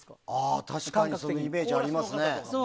確かにそういうイメージありますね。